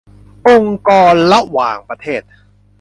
องค์กรระหว่างประเทศ